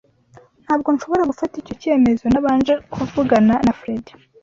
Ntabwo nshobora gufata icyo cyemezo ntabanje kuvugana na Fredy.